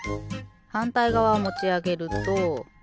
はんたいがわをもちあげると。